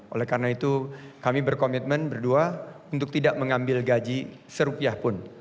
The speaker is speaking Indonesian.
oleh karena itu kami berkomitmen berdua untuk tidak mengambil gaji serupiah pun